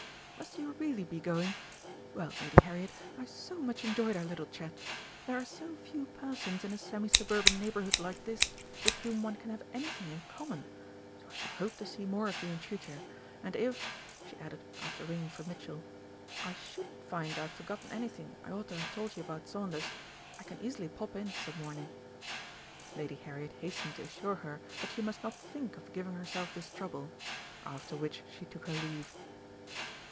"Must you really be going? Well, Lady Harriet, I've so much enjoyed our little chat. There are so few persons in a semi suburban neighbourhood like this, with whom one can have anything in common. So I shall hope to see more of you in future. And if," she added, after ringing for Mitchell, "I should find I've forgotten anything I ought to have told you about Saunders, I can easily pop in some morning." Lady Harriet hastened to assure her that she must not think of giving herself this trouble after which she took her leave.